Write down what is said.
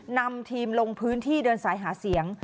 นำทีมลงพื้นที่เดินสายหาเสียง